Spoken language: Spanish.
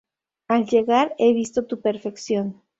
Al llegar he visto tu perfección.